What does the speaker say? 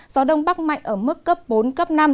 gió đông bắc mạnh ở mức cấp bốn cấp năm